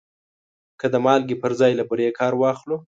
که د مالګې پر ځای له بورې کار واخلو.